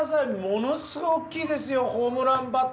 ものすごい大きいですよホームランバッターピザ。